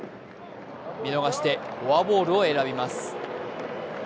見逃してフォアボールを選びます。